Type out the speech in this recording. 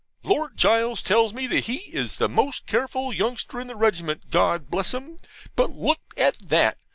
Lord Gules tells me he is the most careful youngster in the regiment, God bless him! But look at that!